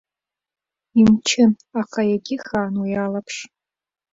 Имчын, аха иагьыхаан уи алаԥш!